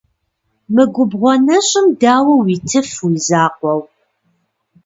Мы губгъуэ нэщӀым дауэ уитыф уи закъуэу?